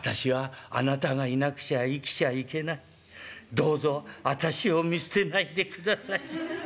どうぞあたしを見捨てないでください』。